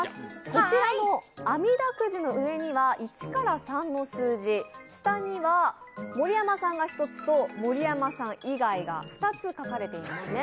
こちらのあみだくじの上には１から３の数字、下には盛山さんが１つと盛山さん以外が２つ書かれてますね。